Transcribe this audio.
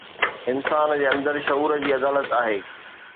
انسان جي اندر شعور جي عدالت آهي